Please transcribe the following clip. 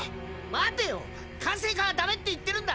待てよ管制課は「ダメ」って言ってるんだ！